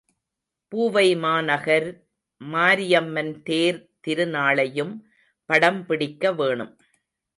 பூவைமாநகர் மாரியம்மன் தேர் திருநாளையும் படம் பிடிக்க வேணும்.